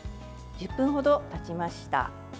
１０分ほどたちました。